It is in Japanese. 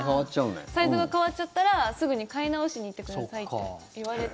サイズが変わっちゃったらすぐに買い直しに行ってくださいって言われて。